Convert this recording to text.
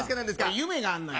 夢があんのよ。